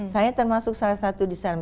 saya termasuk salah satu di sana